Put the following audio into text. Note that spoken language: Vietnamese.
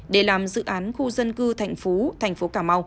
để làm dự án khu dân cư thành phố